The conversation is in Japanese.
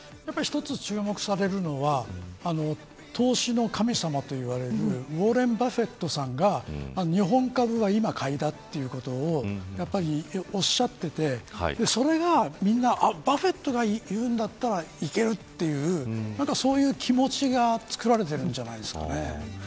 一つ、注目されるのは投資の神様といわれるウォーレン・バフェットさんが日本株が今、買いだということをおっしゃっていてそれがみんなバフェットが言うんだったらいけるというそういう気持ちが作られているんじゃないですかね。